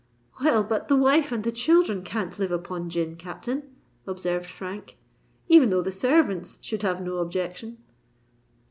"Well, but the wife and the children can't live upon gin, Captain," observed Frank; "even though the servants should have no objection."